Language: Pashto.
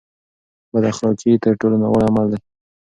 بد اخلاقي تر ټولو ناوړه عمل دی.